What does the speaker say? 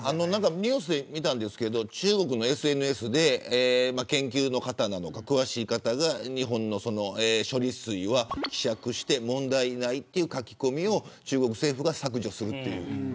ニュースで見たんですけど中国のＳＮＳで研究の方なのか、詳しい方が日本の処理水は希釈して問題ないという書き込みを中国政府が削除する。